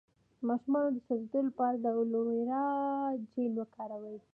د ماشوم د سوځیدو لپاره د الوویرا جیل وکاروئ